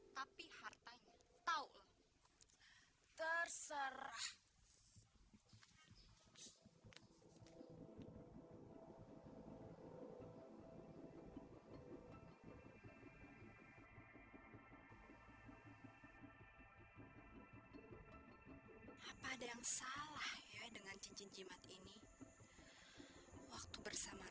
tapi hartanya tahu terserah hai apa ada yang salah ya dengan cincin jimat ini waktu bersama